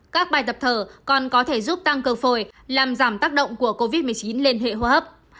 các bài tập thở còn có thể giúp tăng cơ phổi làm giảm tác động của covid một mươi chín lên hệ hô hấp